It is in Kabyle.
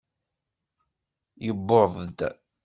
Yewweḍ-d.